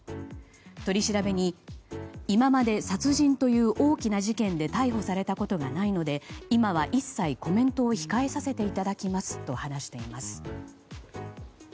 取り調べに、今まで殺人という大きな事件で逮捕されたことがないので今は一切コメントを控えさせていただきますと話しています。